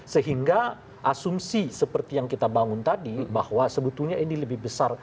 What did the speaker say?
sehingga asumsi seperti yang kita bangun tadi bahwa sebetulnya ini lebih besar